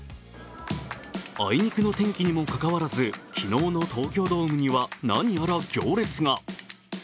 あいにくの天気にもかかわらず昨日の東京ドームには何やら行列が。